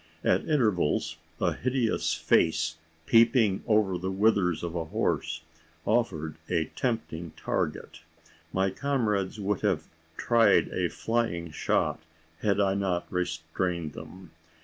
At intervals a hideous face peeping over the withers of a horse, offered a tempting target. My comrades would have tried a flying shot had I not restrained them.